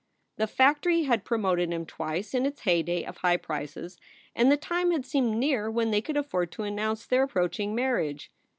The factory had promoted him twice in its heyday of high prices, and the time had seemed near when they could afford to announce their approaching marriage.